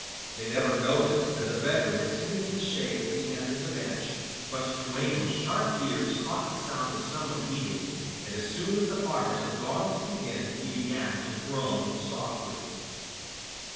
They never noticed that a beggar was sitting in the shade at the end of the bench, but Toueno's sharp ears caught the sound of someone eating, and as soon as the farmers had gone into the inn he began to groan softly.